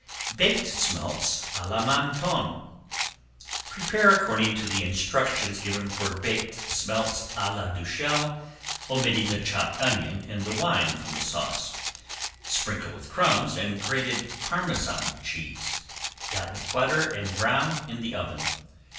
BAKED SMELTS À LA MANTON Prepare according to directions given for Baked Smelts a la Duxelles, omitting the chopped onion and the wine from the sauce. Sprinkle with crumbs and grated Parmesan cheese, dot with butter, and brown in the oven.